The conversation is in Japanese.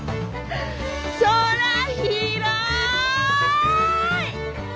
空広い！